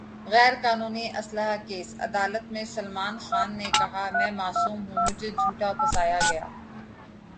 غیر قانونی اسلحہ کیس : عدالت میں سلمان خان نے کہا : میں معصوم ہوں ، مجھے جھوٹا پھنسایا گیا